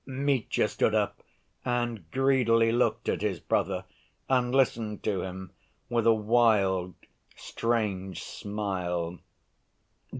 Mitya stood up and greedily looked at his brother and listened to him with a wild, strange smile.